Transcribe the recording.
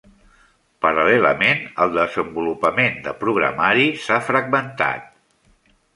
Paral·lelament, el desenvolupament de programari s'ha fragmentat.